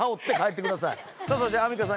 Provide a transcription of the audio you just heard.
さあそしてアンミカさん。